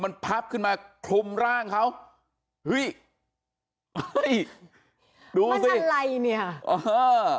มันพับขึ้นมาคลุมร่างเขาเฮ้ยดูสิอะไรเนี่ยเออ